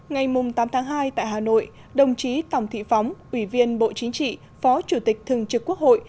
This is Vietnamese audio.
ngày tám tháng hai tại hà nội đồng chí tòng thị phóng ủy viên bộ chính trị phó chủ tịch thường trực quốc hội